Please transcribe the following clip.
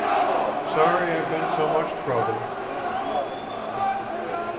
"Sorry I've been so much trouble."